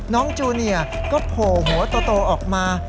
จูเนียก็โผล่หัวโตออกมา